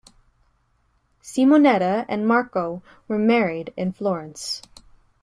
Simonetta and Marco were married in Florence.